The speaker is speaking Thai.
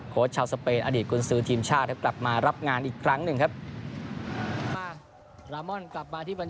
ชาวสเปนอดีตกุญสือทีมชาติครับกลับมารับงานอีกครั้งหนึ่งครับ